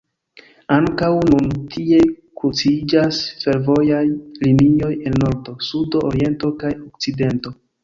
Ankaŭ nun tie kruciĝas fervojaj linioj el nordo, sudo, oriento kaj okcidento.